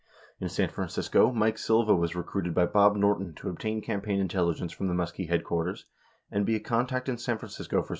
In San Francisco, Mike Silva was recruited by Bob Norton to ob tain campaign intelligence from the Muskie headquarters and be a contact in San Francisco for Segretti.